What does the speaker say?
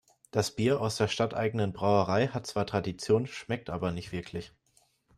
Das Bier aus der stadteigenen Brauerei hat zwar Tradition, schmeckt aber nicht wirklich.